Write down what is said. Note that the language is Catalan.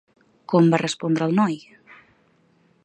Com va respondre el noi?